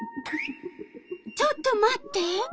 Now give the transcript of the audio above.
ちょっと待って。